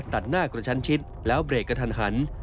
ตัดหน้ากระชั้นชิดแล้วเบรกกระทันหัน